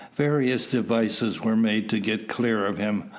Various devices were made to get clear of him.